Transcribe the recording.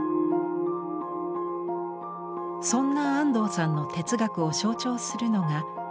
そんな安藤さんの哲学を象徴するのが光。